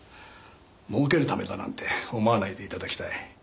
儲けるためだなんて思わないで頂きたい。